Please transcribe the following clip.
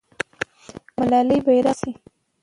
ملالۍ بیرغ نیسي.